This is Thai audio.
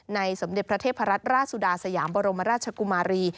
สมเด็จพระเทพรัตนราชสุดาสยามบรมราชกุมารี